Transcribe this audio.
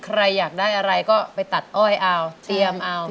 ใครอยากได้อะไรก็ไปตัดอ้อยเอาเตรียมเอา